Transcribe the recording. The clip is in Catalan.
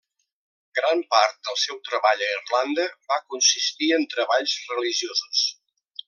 Gran part del seu treball a Irlanda va consistir en treballs religiosos.